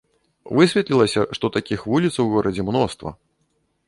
Высветлілася, што такіх вуліц у горадзе мноства.